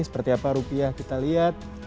seperti apa rupiah kita lihat